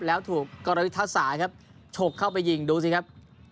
แล้วถูกกรวิทยาศาสตร์ครับฉกเข้าไปยิงดูสิครับ